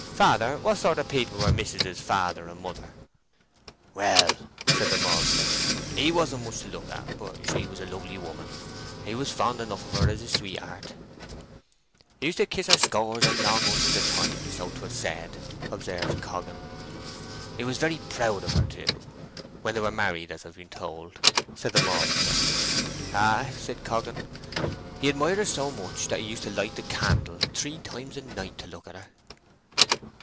Father, what sort of people were mis'ess' father and mother?" "Well," said the maltster, "he wasn't much to look at; but she was a lovely woman. He was fond enough of her as his sweetheart." "Used to kiss her scores and long hundreds o' times, so 'twas said," observed Coggan. "He was very proud of her, too, when they were married, as I've been told," said the maltster. "Ay," said Coggan. "He admired her so much that he used to light the candle three times a night to look at her."